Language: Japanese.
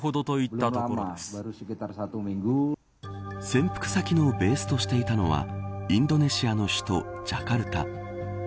潜伏先のベースとしていたのはインドネシアの首都ジャカルタ。